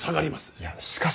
いやしかし。